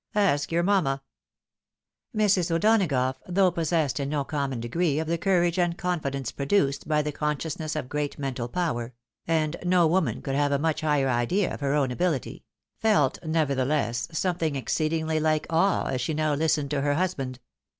Ask your mamma." Mrs. O'Donagough, though possessed in no common degree of the courage and confidence produced by the consciousness of great mental power — and no woman could have a much higher idea of her own abihty — felt nevertheless something exceedingly like awe, as she now listened to her husband.